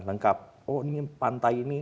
lengkap oh ini pantai ini